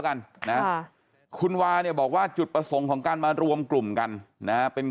กันนะคุณวาเนี่ยบอกว่าจุดประสงค์ของการมารวมกลุ่มกันนะเป็น